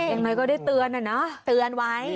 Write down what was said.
ยังไงก็ได้เตือนนะเนอะเตือนไว้